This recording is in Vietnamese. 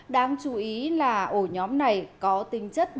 đáng chú ý là ổ nhóm này có tính